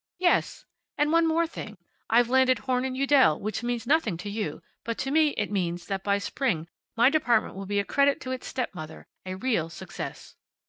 "Yes. And one more thing. I've landed Horn & Udell, which means nothing to you, but to me it means that by Spring my department will be a credit to its stepmother; a real success."